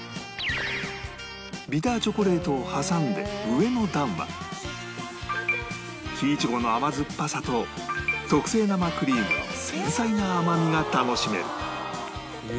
ビターチョコレートを挟んで上の段は木苺の甘酸っぱさと特製生クリームの繊細な甘みが楽しめる